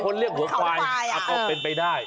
คนเรียกหัวควายอักอบเป็นไปได้